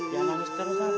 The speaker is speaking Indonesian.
jangan nangis terus sabar